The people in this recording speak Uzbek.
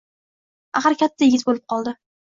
Axir katta yigit bo‘lib qoldi